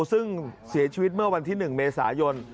ซึ่งเสียชีวิตเมื่อวันที่๑เมษายน